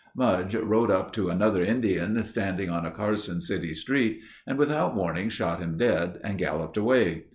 Mudge rode up to another Indian standing on a Carson City street and without warning shot him dead and galloped away.